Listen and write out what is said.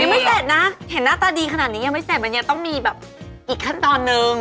ไม่เสร็จนะเห็นหน้าตาดีขนาดนี้ยังไม่เสร็จมันยังต้องมีแบบอีกขั้นตอนนึง